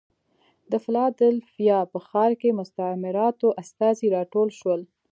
د فلادلفیا په ښار کې مستعمراتو استازي راټول شول.